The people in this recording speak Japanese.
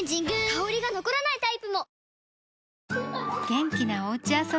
香りが残らないタイプも！